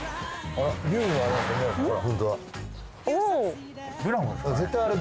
あれ。